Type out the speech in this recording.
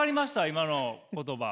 今の言葉？